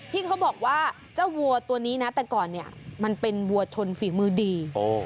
เขาบอกว่าเจ้าวัวตัวนี้นะแต่ก่อนเนี่ยมันเป็นวัวชนฝีมือดี